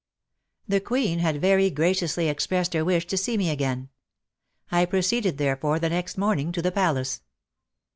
The Queen had very graciously expressed her wish to see me again. I proceeded, there fore, the next morning to the Palace.